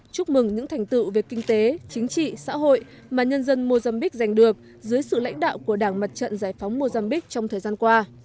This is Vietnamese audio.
chúc mừng những thành tựu về kinh tế chính trị xã hội mà nhân dân mozambiq giành được dưới sự lãnh đạo của đảng mặt trận giải phóng mozambique trong thời gian qua